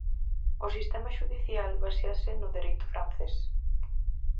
O sistema xudicial baséase no dereito francés.